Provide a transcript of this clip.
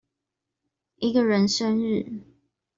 一個人生日